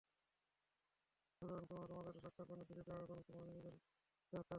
সুতরাং তোমরা তোমাদের স্রষ্টার পানে ফিরে যাও এবং তোমরা নিজেদেরকে হত্যা কর।